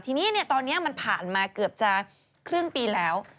ทีนี้ตอนนี้มันผ่านมาเกือบจะครึ่งปีแล้ว